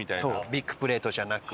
ビッグプレートじゃなく。